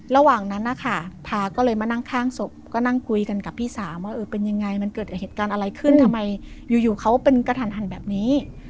ระหว่างนั้นนะคะพาก็เลยมานั่งข้างศพก็นั่งคุยกันกับพี่สาวว่าเออเป็นยังไงมันเกิดเหตุการณ์อะไรขึ้นทำไมอยู่เขาเป็นกระทันหันแบบนี้